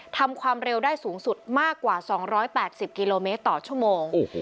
ทำความเร็วได้สูงสุดมากกว่า๒๘๐กิโลเมตรต่อชั่วโมง